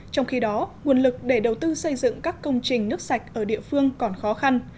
trong khi đó nguồn lực để đầu tư xây dựng các công trình nước sạch ở địa phương còn khó khăn